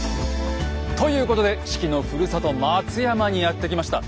ということで子規のふるさと松山にやって来ました。